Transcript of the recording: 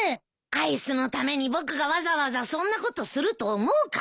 アイスのために僕がわざわざそんなことすると思うか？